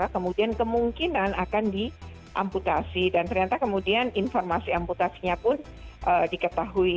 kemudian kemungkinan akan diamputasi dan ternyata kemudian informasi amputasinya pun diketahui